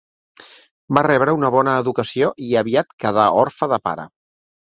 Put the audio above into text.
Va rebre una bona educació i aviat quedà orfe de pare.